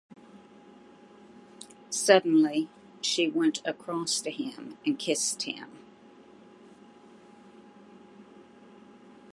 Suddenly she went across to him and kissed him.